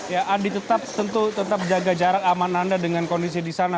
ya adi tetap jaga jarak aman anda dengan kondisi di sana